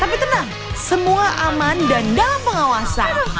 tapi tenang semua aman dan dalam pengawasan